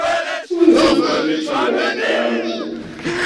Ur asen-d-srusuyeɣ sselɛa-nsen.